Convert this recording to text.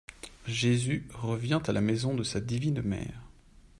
Jésus revient à la maison de sa divine mère.